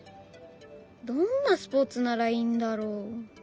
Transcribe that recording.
どんなスポーツならいいんだろ？